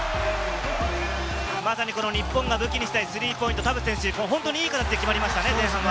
まさに日本が武器にしたいスリーポイント、田臥選手、いい形で決まりましたね、前半は。